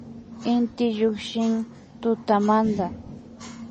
Inti llukshin tutamanta